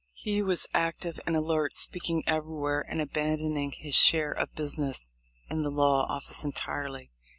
Ke was active and alert, speaking every where, and abandoning his share of business in the law office entirely.